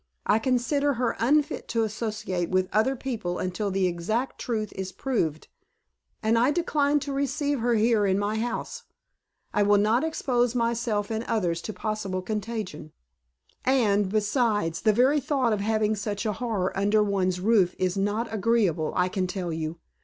"I consider her unfit to associate with other people until the exact truth is proved, and I decline to receive her here in my house. I will not expose myself and others to possible contagion. And, besides, the very thought of having such a horror under one's roof is not agreeable, I can tell you.